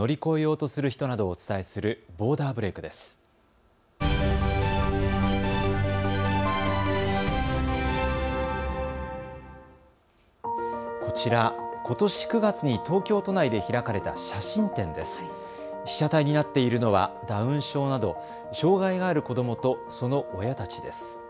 被写体になっているのはダウン症など障害がある子どもとその親たちです。